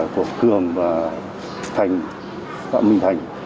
của cường và thành phạm minh thành